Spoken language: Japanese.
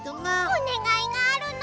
おねがいがあるの。